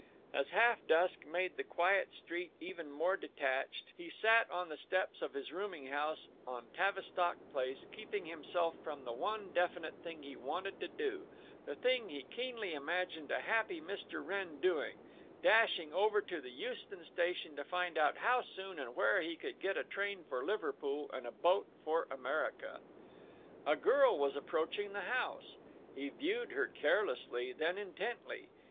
As half dusk made the quiet street even more detached, he sat on the steps of his rooming house on Tavistock Place, keeping himself from the one definite thing he wanted to do—the thing he keenly imagined a happy Mr. Wrenn doing—dashing over to the Euston Station to find out how soon and where he could get a train for Liverpool and a boat for America. A girl was approaching the house. He viewed her carelessly, then intently.